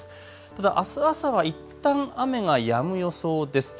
ただ、あす朝はいったん雨がやむ予想です。